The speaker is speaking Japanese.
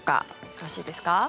よろしいですか。